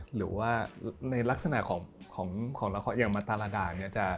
หรือว่าในลักษณะของละครอย่างมาตรดาเนี่ย